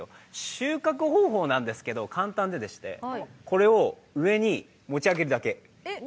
収穫方法なんですけど簡単ででして、これを上に持ち上げるだけ。